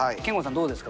どうですか？